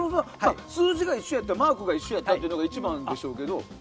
数字が一緒だったマークが一緒だったっていうのが一番でしょうけど。